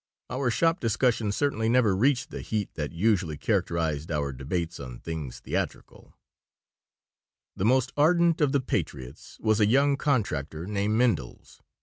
Our shop discussions certainly never reached the heat that usually characterized our debates on things theatrical The most ardent of the "patriots" was a young contractor named Mindels.